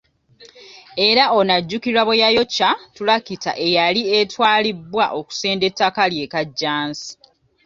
Era ono ajjukirwa bweyayokya tulakita eyali etwalibbwa okusenda ettaka lye e Kajjansi.